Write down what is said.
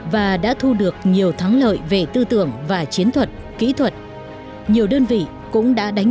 và đã thu được nhiều thắng lợi về tư tưởng và chiến thuật kỹ thuật nhiều đơn vị cũng đã đánh